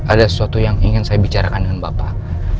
ada sesuatu yang ingin saya bicarakan dengan bapak